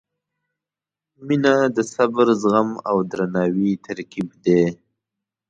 • مینه د صبر، زغم او درناوي ترکیب دی.